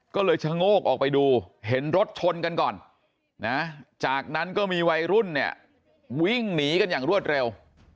ก็เลยชะโงกออกไปดูเห็นรถชนกันก่อนนะจากนั้นก็มีวัยรุ่นเนี่ยวิ่งหนีกันอย่างรวดเร็ว